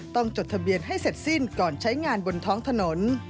ที่จะปล่อยงานบนท้องถนน